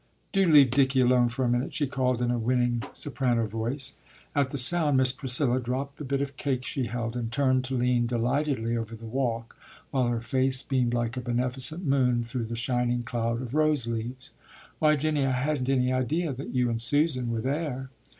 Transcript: "Do leave Dicky alone for a minute!" she called in a winning soprano voice. At the sound, Miss Priscilla dropped the bit of cake she held, and turned to lean delightedly over the walk, while her face beamed like a beneficent moon through the shining cloud of rose leaves. "Why, Jinny, I hadn't any idea that you and Susan were there!"